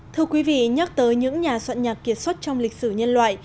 thưa quý vị nhắc tới những nhà soạn nhạc kiệt xuất trong lịch sử nhân loại